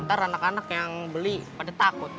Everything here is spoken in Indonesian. ntar anak anak yang beli pada takut